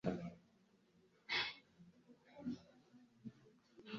Ndatekereza ko bahuye nikibazo runaka.